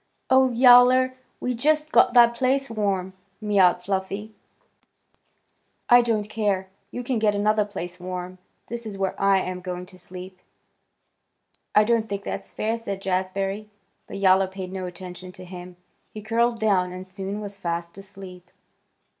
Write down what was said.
"Oh, Yowler! We just got that place warm!" mewed Fluffy. "I don't care! You can get another place warm. This is where I am going to sleep." "I don't think that's fair!" said Jazbury. But Yowler paid no attention to him. He curled down and soon was fast asleep.